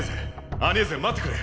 アニェーゼ待ってくれ。